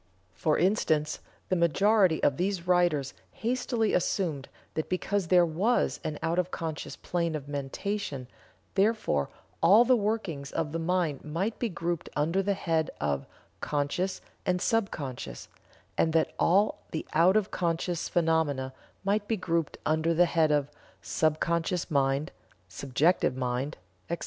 For instance, the majority of these writers hastily assumed that because there was an out of conscious plane of mentation, therefore all the workings of the mind might be grouped under the head of "conscious" and "sub conscious," and that all the out of conscious phenomena might be grouped under the head of "subconscious mind," "subjective mind," etc.